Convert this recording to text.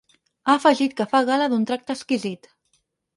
Ha afegit que ‘fa gala d’un tracte exquisit’.